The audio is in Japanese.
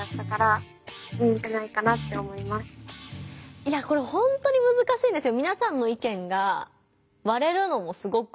いやこれほんとにむずかしいんですよ。